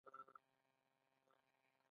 د هغې زمانې د پیښو انعکاس ګورو.